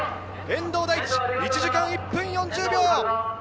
遠藤大地、１時間１分４０秒。